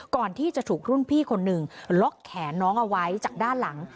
ก่อนที่จะถูกรุ่นพี่คนหนึ่งล็อกแขนน้องเอาไว้จากด้านหลัง